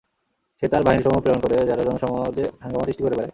সে তার বাহিনীসমূহ প্রেরণ করে, যারা জনসমাজে হাঙ্গামা সৃষ্টি করে বেড়ায়।